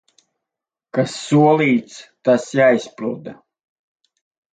Kas solīts, tas jāizpilda.